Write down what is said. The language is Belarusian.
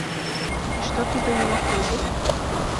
І што туды ўваходзіць?